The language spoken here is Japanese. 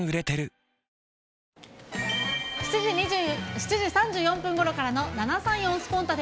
７時３４分ごろからの７３４スポンタっ！